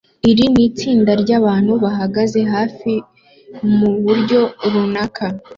Iri ni itsinda ryabantu bahagaze hafi muburyo runaka